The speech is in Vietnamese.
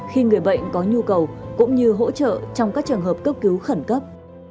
khi người bệnh có nhu cầu cũng như hỗ trợ trong các trường hợp cấp cứu khẩn cấp